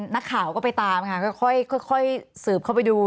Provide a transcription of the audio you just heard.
นักข่าวก็ไปตามค่ะก็ค่อยสืบเข้าไปดู